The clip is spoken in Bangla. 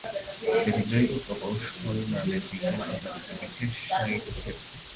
এটি জৈব প্রকৌশল নামক জ্ঞানের শাখার একটি বিশেষায়িত ক্ষেত্র।